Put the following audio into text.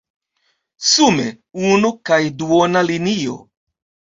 Sume: unu kaj duona linio.